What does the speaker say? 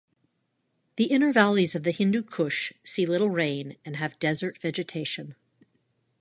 The inner valleys of the Hindu Kush see little rain and have desert vegetation.